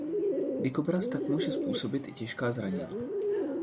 Dikobraz tak může způsobit i těžká zranění.